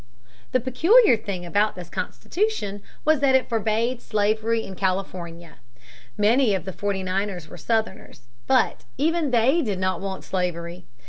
The peculiar thing about this constitution was that it forbade slavery in California. Many of the Forty Niners were Southerners. But even they did not want slavery.